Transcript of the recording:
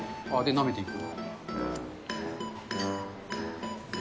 なめていく。